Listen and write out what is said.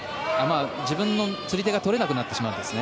自分の釣り手が取れなくなってしまうんですね。